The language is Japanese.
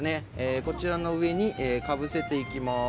こちらの上にかぶせていきます。